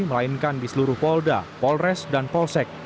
melainkan di seluruh polda polres dan polsek